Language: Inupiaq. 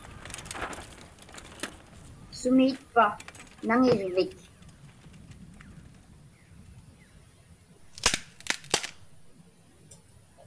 Sumiitpa naŋirvik?